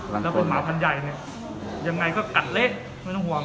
แล้วก็หมาพันใหญ่เนี่ยยังไงก็กัดเละไม่ต้องห่วง